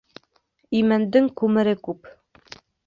Имәндең күмере күп.